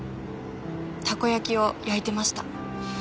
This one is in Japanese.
たこ焼きを焼いてました。